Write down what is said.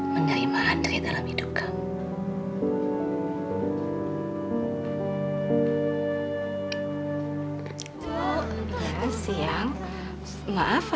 menerima andre dalam hidup kamu